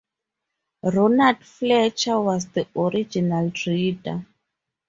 Ronald Fletcher was the original reader.